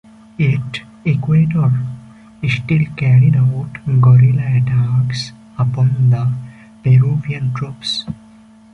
Yet, Ecuador still carried out guerrilla attacks upon the Peruvian troops.